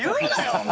お前！